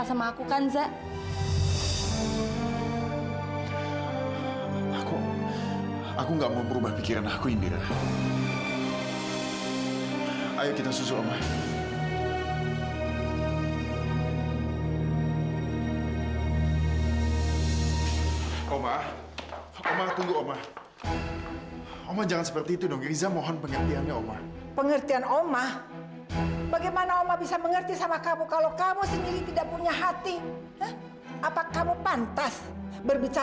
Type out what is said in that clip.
sampai jumpa di video selanjutnya